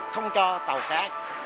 không cho tàu cá